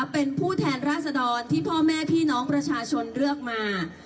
เป็นผู้แทนราษดรที่พ่อแม่พี่น้องประชาชนเลือกมา